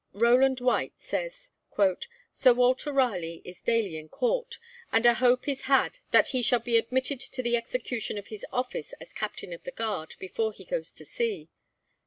Rowland White says, 'Sir Walter Raleigh is daily in Court, and a hope is had that he shall be admitted to the execution of his office as Captain of the Guard, before he goes to sea.'